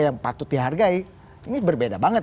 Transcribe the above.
yang patut dihargai ini berbeda banget